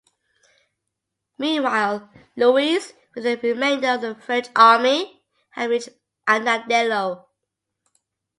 Meanwhile, Louis, with the remainder of the French army, had reached Agnadello.